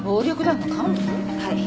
はい。